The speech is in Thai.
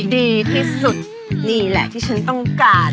ดีที่สุดนี่แหละที่ฉันต้องการ